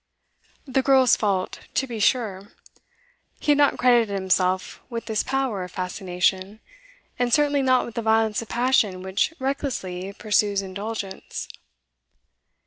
The girl's fault, to be sure. He had not credited himself with this power of fascination, and certainly not with the violence of passion which recklessly pursues indulgence.